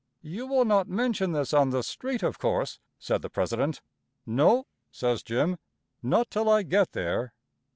"You will not mention this on the street, of course," said the president. "No," says Jim, "not till I get there."